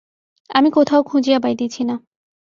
আমি কোথাও খুঁজিয়া পাইতেছি না।